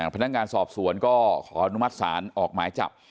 พนักงานสอบสวนก็ขออนุมัติศาลออกหมายจับ